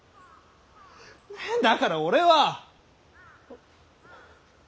だから俺は。